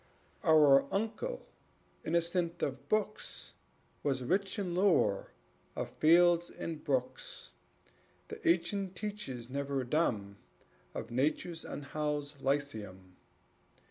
Our uncle, innocent of books, Was rich in lore of fields and brooks, The ancient teachers never dumb Of Nature's unhoused lyceum.